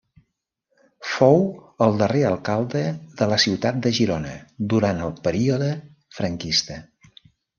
Fou el darrer alcalde de la ciutat de Girona durant el període franquista.